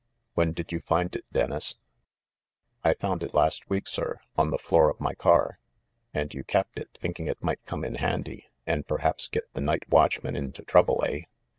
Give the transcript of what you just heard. "When did you find it, Dennis?" "I found it last week, sir, on the floor of my car." "And you kept it thinking it might come in handy, and perhaps get the night watchman into trouble, eh?